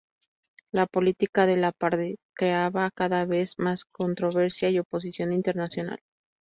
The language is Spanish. La política del "apartheid" creaba cada vez más controversias y oposición internacional.